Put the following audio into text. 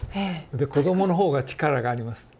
で子どもの方がちからがあります。